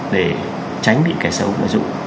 để tránh bị kẻ xấu